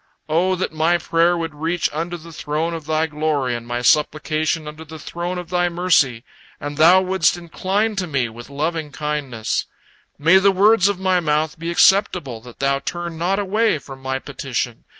O that my prayer would reach unto the throne of Thy glory, and my supplication unto the throne of Thy mercy, and Thou wouldst incline to me with lovingkindness. May the words of my mouth be acceptable, that Thou turn not away from my petition.